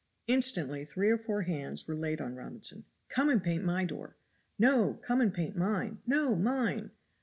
Instantly three or four hands were laid on Robinson. "Come and paint my door." "No, come and paint mine!" "No, mine!"